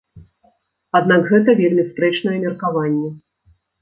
Аднак гэта вельмі спрэчнае меркаванне.